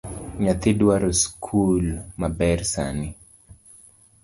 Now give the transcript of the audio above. Nyathi dwaro sikul maber sani